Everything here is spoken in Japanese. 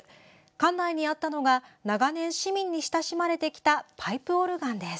館内にあったのが長年、市民に親しまれてきたパイプオルガンです。